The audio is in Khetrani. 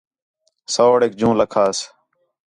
سوڑیک جوں لَکھاس